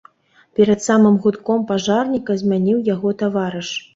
Перад самым гудком пажарніка змяніў яго таварыш.